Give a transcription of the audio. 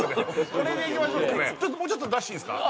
これもうちょっと出していいですか？